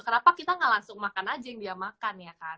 kenapa kita nggak langsung makan aja yang dia makan ya kan